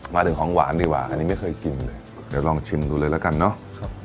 มาถึงของหวานดีกว่าอันนี้ไม่เคยกินเลยเดี๋ยวลองชิมดูเลยแล้วกันเนอะ